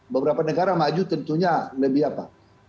beberapa negara maju tentunya lebih apa